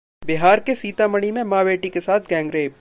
बिहार के सीतामढ़ी में मां-बेटी के साथ गैंगरेप